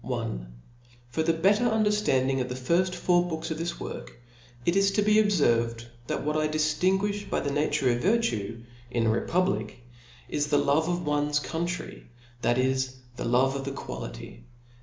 2^ 25^0 R the better under/landing oftbejirjl four books of this work, it is to b^ abr' ferved that what I dijlinguijh by th( name ofvit^ Cue, in a republic , is the love of ones country y that is, the love of equality.